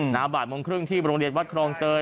บ่ายโมงครึ่งที่โรงเรียนวัดครองเตย